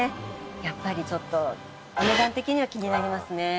やっぱりちょっとお値段的には気になりますね。